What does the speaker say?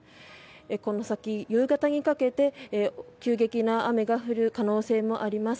この先、夕方にかけて急激な雨が降る可能性もあります。